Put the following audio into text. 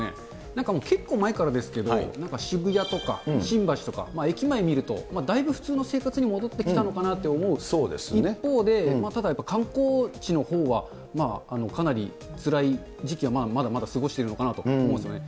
なんかもう結構前からですけど、なんか渋谷とか、新橋とか、駅前見ると、だいぶ普通の生活に戻ってきたのかなと思う一方で、ただやっぱり、観光地のほうはかなりつらい時期はまだまだ過ごしているのかなと思うんですよね。